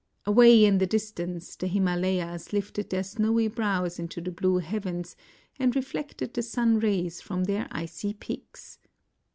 Away in the distance the Himalayas lifted their snowy brows into the blue heavens and reflected the sun's rays from their icy peaks.